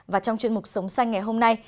và trong chuyên mục sống xanh ngày hôm nay